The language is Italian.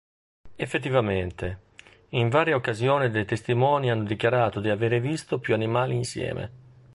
Effettivamente, in varie occasioni dei testimoni hanno dichiarato di avere visto più animali insieme.